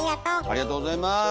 ありがとうございます！